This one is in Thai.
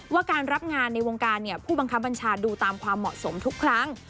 ว่าการรับงานในวงการผู้บังคับบัญชาดูตามความเหมาะสมทุกครั้ง